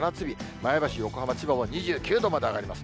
前橋、横浜、千葉も２９度まで上がります。